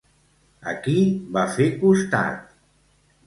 A qui va fer costat?